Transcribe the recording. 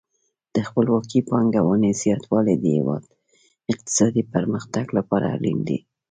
د خپلواکې پانګونې زیاتوالی د هیواد د اقتصادي پرمختګ لپاره اړین دی.